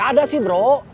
ya ada sih bro